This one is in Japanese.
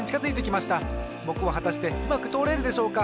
ぼくははたしてうまくとおれるでしょうか。